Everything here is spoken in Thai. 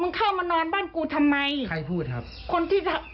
มึงเข้ามาบ้านกูทำไมมึงเข้ามานอนบ้านกูทำไม